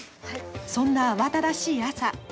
そんな慌ただしい朝。